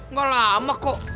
nggak lama kok